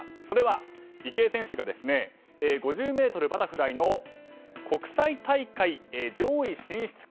それは、池江選手が５０ｍバタフライの国際大会上位進出